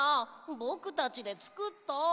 ぼくたちでつくった。